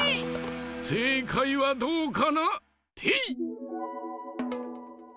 せいかいはどうかな？てい！